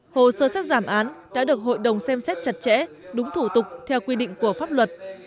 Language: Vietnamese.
hồ sơ xét giảm án đã được hội đồng xem xét chặt chẽ đúng thủ tục theo quy định của pháp luật